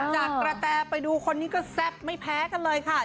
จากกระแตไปดูคนนี้ก็แซ่บไม่แพ้กันเลยค่ะ